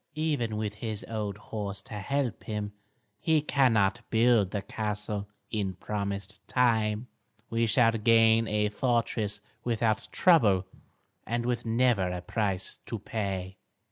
"Even with his old horse to help him, he cannot build the castle in the promised time. We shall gain a fortress without trouble and with never a price to pay."